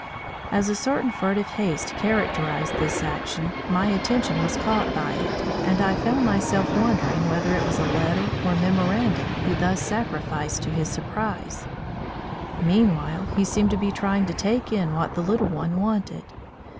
As a certain furtive haste characterised this action, my attention was caught by it, and I found myself wondering whether it was a letter or memorandum he thus sacrificed to his surprise. Meanwhile he seemed to be trying to take in what the little one wanted.